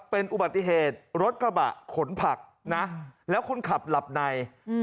เป็นอุบัติเหตุรถกระบะขนผักนะแล้วคนขับหลับใน